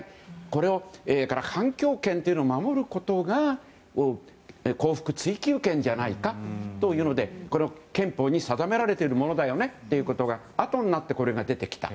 これを環境権というのを守ることが幸福追求権じゃないかというので憲法に定められてるものだよねということであとになってこれが出てきた。